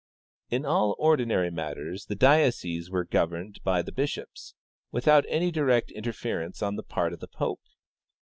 " In all ordinary matters the dioqeses were governed by the bishops, without any direct interference on the part of the pope.